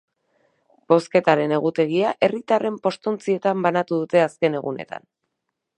Bozketaren egutegia herritarren postontzietan banatu dute azken egunetan.